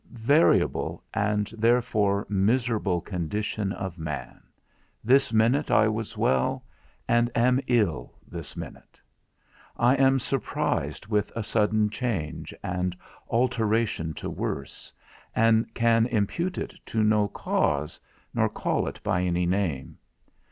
Variable, and therefore miserable condition of man! this minute I was well, and am ill, this minute. I am surprised with a sudden change, and alteration to worse, and can impute it to no cause, nor call it by any name.